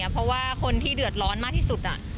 เพราะว่าคนที่เดือดร้อนมากที่สุด